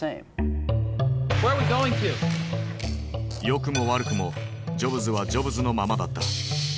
良くも悪くもジョブズはジョブズのままだった。